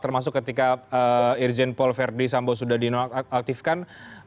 termasuk ketika irjen paul verdi samboh sudah diaktifkan